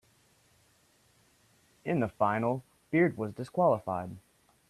In the final, Beard was disqualified.